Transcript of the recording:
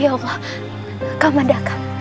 ya allah kau mendapatkan